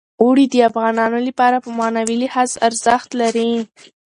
اوړي د افغانانو لپاره په معنوي لحاظ ارزښت لري.